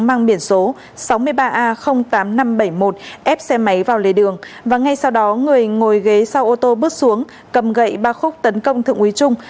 mang biển số sáu mươi ba a tám nghìn năm trăm bảy mươi một ép xe máy vào lề đường và ngay sau đó người ngồi ghế sau ô tô bước xuống cầm gậy ba khúc tấn công thượng úy trung